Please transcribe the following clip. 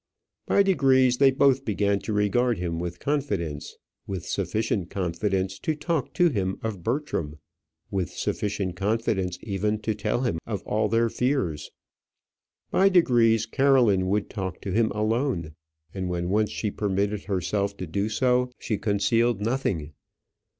By degrees they both began to regard him with confidence with sufficient confidence to talk to him of Bertram; with sufficient confidence even to tell him of all their fears. By degrees Caroline would talk to him alone, and when once she permitted herself to do so, she concealed nothing.